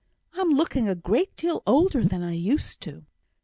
I'm looking a great deal older than I used to do!"